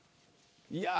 いや。